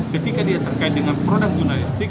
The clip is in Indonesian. ketika dia terkait dengan produk jurnalistik